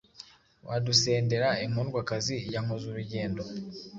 Wadusendera inkundwakazi, Ya Nkozurugendo.